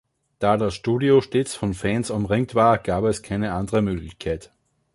Da das Studio stets von Fans umringt war, gab es keine andere Möglichkeit.